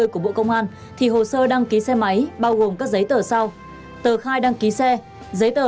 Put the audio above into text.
hai nghìn hai mươi của bộ công an thì hồ sơ đăng ký xe máy bao gồm các giấy tờ sau tờ khai đăng ký xe giấy tờ